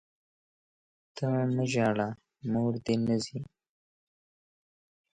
ته مه ژاړه ، موردي نه ځي!